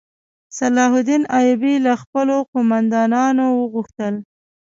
صلاح الدین ایوبي له خپلو قوماندانانو وغوښتل.